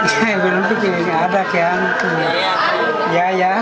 saya benar benar tidak ada biaya